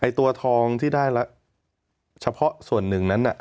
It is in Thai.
ตัวทองที่ได้ละเฉพาะส่วนหนึ่งนั้น